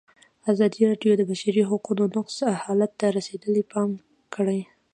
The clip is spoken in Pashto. ازادي راډیو د د بشري حقونو نقض حالت ته رسېدلي پام کړی.